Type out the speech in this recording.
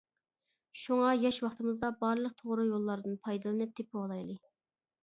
شۇڭا ياش ۋاقتىمىزدا بارلىق توغرا يوللاردىن پايدىلىنىپ تېپىۋالايلى.